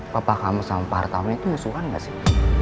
bapak kamu sama pak artawan itu musuhan gak sih